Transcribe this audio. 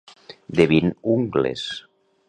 De vint ungles.